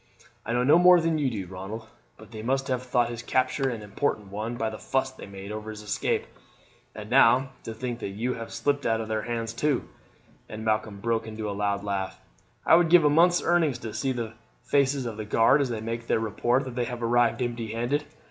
"I know no more than you do, Ronald, but they must have thought his capture an important one by the fuss they made over his escape. And now, to think that you have slipped out of their hands too!" and Malcolm broke into a loud laugh. "I would give a month's earnings to see the faces of the guard as they make their report that they have arrived empty handed.